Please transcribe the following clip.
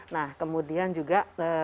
nah kemudian juga